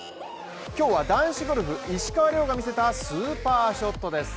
今日は男子ゴルフ、石川遼が見せたスーパーショットです。